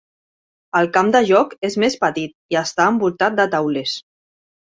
El camp de joc és més petit i està envoltat de taulers.